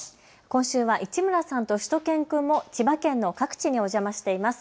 今週は市村さんとしゅと犬くんも千葉県の各地にお邪魔しています。